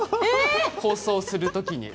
放送するときに。